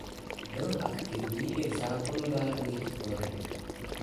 Byl aktivní i v zákonodárných sborech.